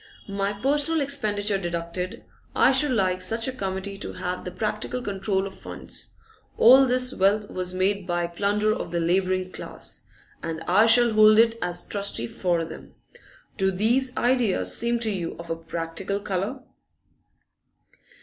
My personal expenditure deducted, I should like such a committee to have the practical control of funds. All this wealth was made by plunder of the labouring class, and I shall hold it as trustee for them. Do these ideas seem to you of a practical colour?